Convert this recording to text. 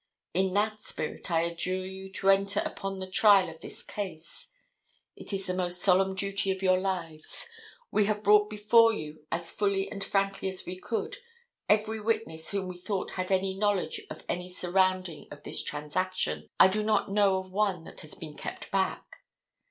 In that spirit I adjure you to enter upon the trial of this case. It is the most solemn duty of your lives. We have brought before you as fully and frankly as we could, every witness whom we thought had any knowledge of any surrounding of this transaction, I do not know of one that has been kept back.